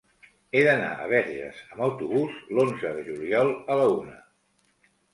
He d'anar a Verges amb autobús l'onze de juliol a la una.